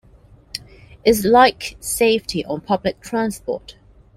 It's like safety on public transport.